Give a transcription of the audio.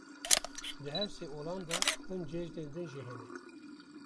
Di her sê olan de hin cejnên din jî hene.